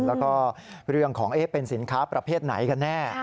แล้วก็เรื่องของเป็นสินค้าประเภทไหนกันแน่